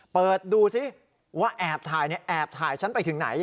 เปิดดูสิว่าแอบถ่ายแอบถ่ายฉันไปถึงไหน